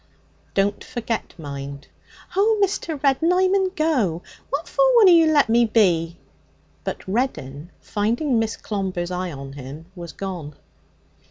'Don't forget, mind.' 'Oh, Mr. Reddin, I mun go! What for wunna you let me be?' But Reddin, finding Miss Clomber's eye on him, was gone.